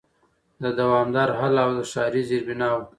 د دوامدار حل او د ښاري زېربناوو